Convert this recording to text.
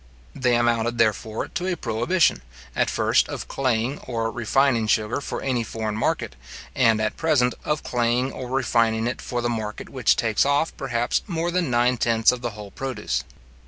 They amounted, therefore, to a prohibition, at first of claying or refining sugar for any foreign market, and at present of claying or refining it for the market which takes off, perhaps, more than nine tenths of the whole produce.